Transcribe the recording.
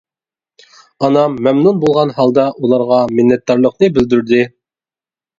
ئانام مەمنۇن بولغان ھالدا ئۇلارغا مىننەتدارلىقىنى بىلدۈردى.